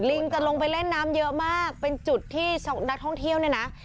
ลิงจะลงไปเล่นน้ำเยอะมากเป็นจุดที่นักท่องเที่ยวเนี่ยนะ